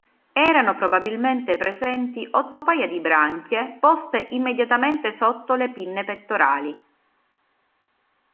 Erano probabilmente presenti otto paia di branchie, poste immediatamente sotto le pinne pettorali.